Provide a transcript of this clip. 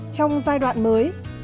trong giai đoạn mới